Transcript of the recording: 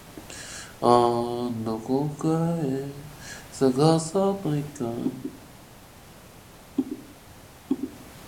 私の名前は登川岬です。大学一年生です。小学三年生から中学三年生までサッカーをやっていました。私の趣味の一つとしてサッカー観戦があります。一番好きなサッカーチームは、アーセナルです。